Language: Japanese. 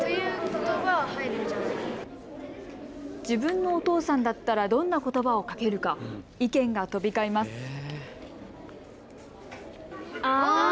自分のお父さんだったらどんなことばをかけるか意見が飛び交います。